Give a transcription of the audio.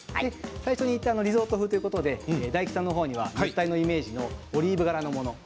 最初に言ったリゾート風ということで大吉さんのところには熱帯のイメージのオリーブ柄のもの。